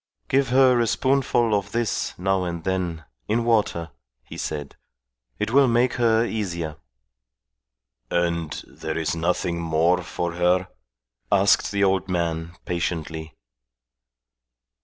"Give her a spoonful of this now and then, in water," he said. "It will make her easier." "And there is nothing more for her?" asked the old man, patiently.